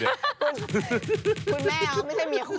คุณแม่เขาไม่ใช่เมียคุณ